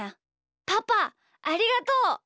パパありがとう。